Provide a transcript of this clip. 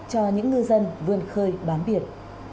cho những ngư dân vươn khơi bán biệt